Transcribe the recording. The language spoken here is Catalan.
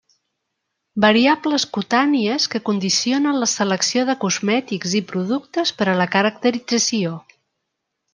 Variables cutànies que condicionen la selecció de cosmètics i productes per a la caracterització.